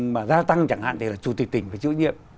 mà giao tăng chẳng hạn thì là chủ tịch tỉnh phải chủ nhiệm